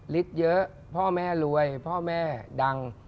เยอะพ่อแม่รวยพ่อแม่ดัง